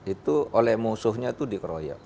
itu oleh musuhnya itu dikeroyok